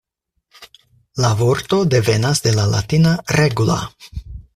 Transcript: La vorto devenas de la latina "regula".